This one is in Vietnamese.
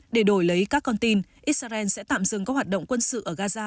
để đổi lấy các con tin israel sẽ tạm dừng các hoạt động quân sự ở gaza